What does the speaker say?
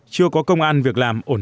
chưa có công an việc tảo hôn